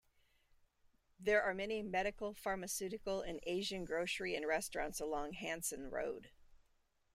There are many medical, pharmaceutical and Asian grocery and restaurants along Hanson Road.